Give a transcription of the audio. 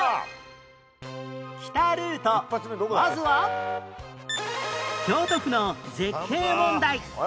まずは京都府の絶景問題